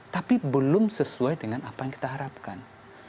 tapi belum sesuai dengan apa yang kita harapkan